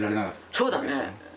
そうだね。